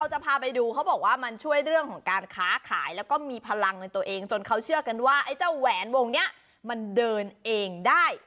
จะพาไปดูเขาบอกว่ามันช่วยเรื่องของการค้าขายแล้วก็มีพลังในตัวเองจนเขาเชื่อกันว่าไอ้เจ้าแหวนวงนี้มันเดินเองได้